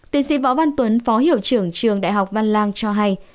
tiến sĩ võ văn tuấn phó hiệu trưởng trường đại học văn lang cho hay